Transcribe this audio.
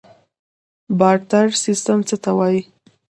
بارتر سیستم څه ته وایي؟